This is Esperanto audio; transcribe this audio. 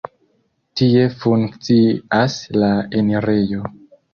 Tie funkcias la enirejo.